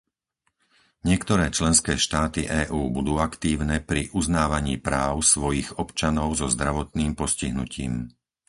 Niektoré členské štáty EÚ budú aktívne pri uznávaní práv svojich občanov so zdravotným postihnutím.